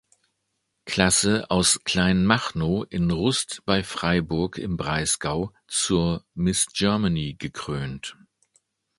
Klasse aus Kleinmachnow in Rust bei Freiburg im Breisgau zur "Miss Germany" gekrönt.